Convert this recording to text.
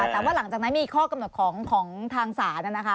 แต่ว่าหลังจากนั้นมีข้อกำหนดของทางศาลนะคะ